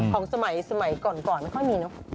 ของสมัยก่อนไม่ค่อยมีเนอะ